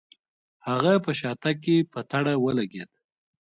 هغه په شاتګ کې په تړه ولګېد.